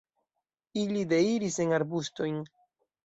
Ili deiris en arbustojn.